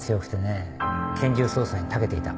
拳銃操作にたけていた。